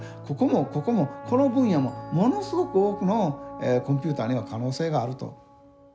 ここもここもこの分野もものすごく多くのコンピューターには可能性があると。